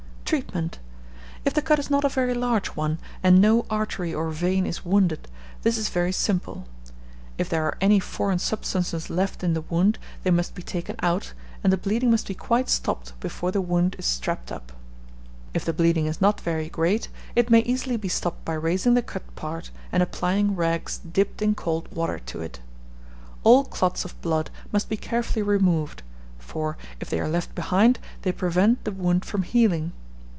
Treatment. If the cut is not a very large one, and no artery or vein is wounded, this is very simple. If there are any foreign substances left in the wound, they must be taken out, and the bleeding must be quite stopped before the wound is strapped up. If the bleeding is not very great, it may easily be stopped by raising the cut part, and applying rags dipped in cold water to it. All clots of blood must be carefully removed; for, if they are left behind, they prevent the wound from healing.